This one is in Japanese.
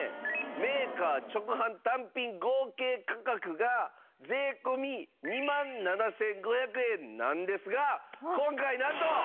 メーカー直販単品合計価格が税込２万７５００円なんですが今回なんと。